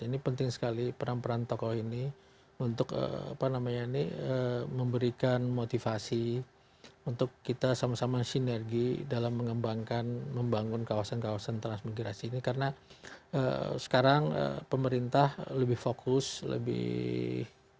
ini penting sekali peran peran tokoh ini untuk apa namanya ini memberikan motivasi untuk kita sama sama sinergi dalam mengembangkan membangun kawasan kawasan transmigrasi ini karena sekarang pemerintah lebih fokus lebih